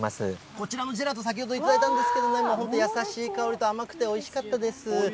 こちらのジェラート、先ほどいただいたんですけれども、本当、優しい香りと甘くておいしかったです。